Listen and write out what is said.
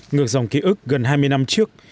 ngược dòng ký ức gần hai mươi năm trước